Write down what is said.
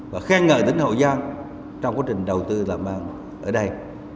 và khen ngợi tỉnh hậu giang trong quá trình đầu tư làm ăn ở đây